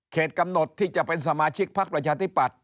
กำหนดที่จะเป็นสมาชิกพักประชาธิปัตย